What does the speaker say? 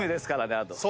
あと。